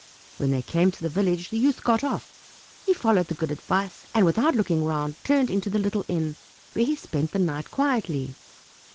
When they came to the village the youth got off; he followed the good advice, and without looking round turned into the little inn, where he spent the night quietly.